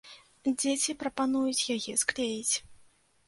Дзеці прапануюць яе склеіць.